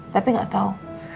tapi gak tau